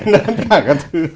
nó ăn cả các thứ